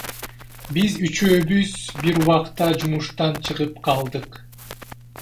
Биз үчөөбүз бир убакта жумуштан чыгып калдык.